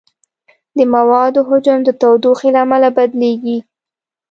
د موادو حجم د تودوخې له امله بدلېږي.